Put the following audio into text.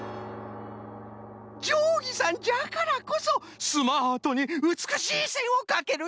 じょうぎさんじゃからこそスマートにうつくしいせんをかけるんですなあ。